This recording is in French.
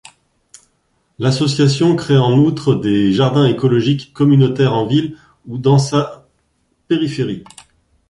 L’association crée en outre des jardins écologiques communautaires en ville ou dans sa périphérie.